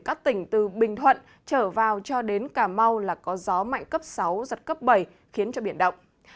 các tỉnh từ bình thuận trở vào cho đến cà mau là có gió mạnh cấp sáu giật cấp bảy khiến cho biển động